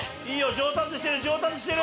上達してる上達してる！